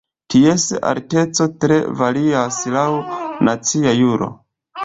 Ties alteco tre varias laŭ nacia juro.